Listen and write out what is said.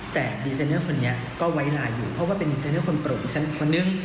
แต่ดีไซเนอร์คนนี้ก็ไว้ลาอยู่เพราะว่าเป็นดีไซเนอร์คนโปรดคนนึง